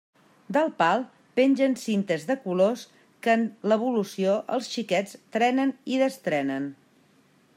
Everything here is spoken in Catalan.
Del pal pengen cintes de colors que en l'evolució els xiquets trenen i destrenen.